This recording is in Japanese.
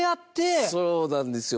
高橋：そうなんですよ。